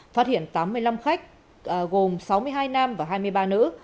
phát hiện tám mươi năm khách gồm sáu mươi hai nam và hai mươi ba nữ